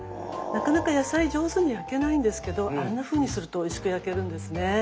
なかなか野菜上手に焼けないんですけどあんなふうにするとおいしく焼けるんですね。